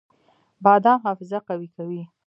بادام حافظه قوي کوي